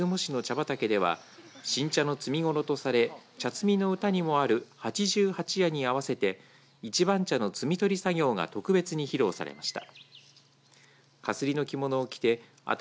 畑では新茶の摘み頃とされ茶摘みの歌にもある八十八夜に合わせて一番茶の摘み取り作業が特別に披露されました。